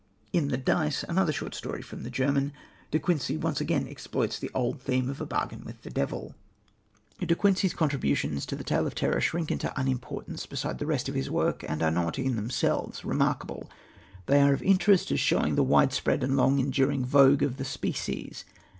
In The Dice, another short story from the German, De Quincey once again exploits the old theme of a bargain with the devil. De Quincey's contributions to the tale of terror shrink into unimportance beside the rest of his work, and are not in themselves remarkable. They are of interest as showing the widespread and long enduring vogue of the species.